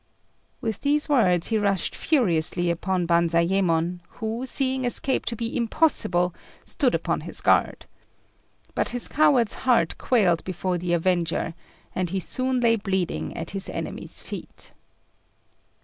With these words he rushed furiously upon Banzayémon, who, seeing escape to be impossible, stood upon his guard. But his coward's heart quailed before the avenger, and he soon lay bleeding at his enemy's feet.